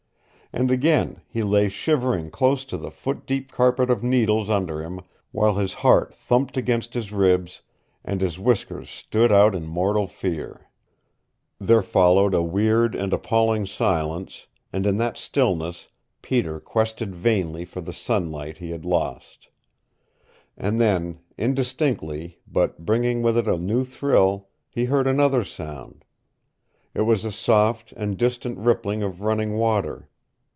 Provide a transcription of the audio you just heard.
And again he lay shivering close to the foot deep carpet of needles under him, while his heart thumped against his ribs, and his whiskers stood out in mortal fear. There followed a weird and appalling silence, and in that stillness Peter quested vainly for the sunlight he had lost. And then, indistinctly, but bringing with it a new thrill, he heard another sound. It was a soft and distant rippling of running water.